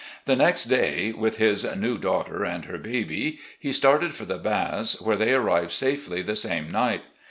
The next day, with his "new daughter" and her baby, he started for the Baths, where they arrived safely the same night.